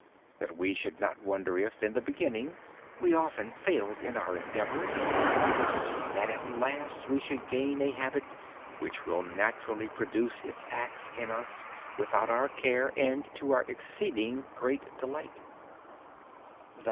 We should not wonder if, in the beginning, we often failed in our endeavors, but that at last we should gain a habit which will naturally produce its acts in us without our care and to our exceeding great delight.